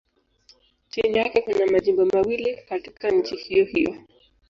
Chini yake kuna majimbo mawili katika nchi hiyohiyo.